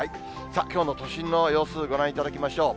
きょうの都心の様子、ご覧いただきましょう。